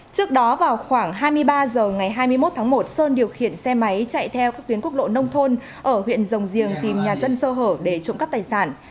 trước đó vào khoảng hai mươi ba h ngày hai mươi một tháng một sơn điều khiển xe máy chạy theo các tuyến quốc lộ nông thôn ở huyện rồng riềng tìm nhà dân sơ hở để trộm cắp tài sản